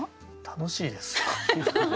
楽しいですよ。